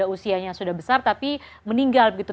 usianya sudah besar tapi meninggal begitu